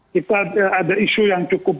kita ada isu yang cukup